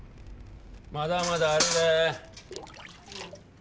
まだまだあるで。